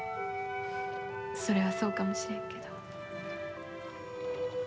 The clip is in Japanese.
それはそうかもしれんけど。